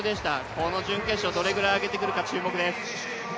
この準決勝どれぐらい上げてくるか注目です。